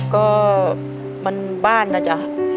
ก็มันบ้านนะจ๊ะ